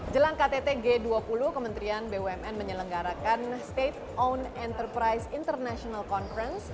jelang ktt g dua puluh kementerian bumn menyelenggarakan state own enterprise international conference